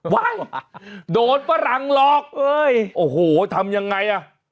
ว้ายโดนฝรั่งหลอกโอ้โหทำยังไงอ่ะ